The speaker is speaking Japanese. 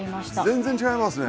全然違いますね！